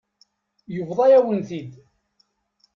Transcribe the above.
Yebḍa-yawen-ten-id.